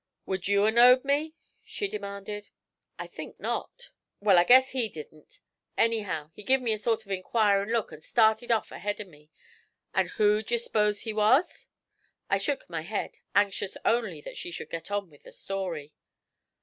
'Would you 'a' knowed me?' she demanded. 'I think not.' 'Wal, I guess he didn't; anyhow, he give me a sort of inquirin' look an' started off ahead of me. An' who d'ye s'pose he was?' I shook my head, anxious only that she should get on with the story.